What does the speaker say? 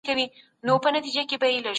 د خبرو اترو مېز د شخړو د حل غوره ځای دی.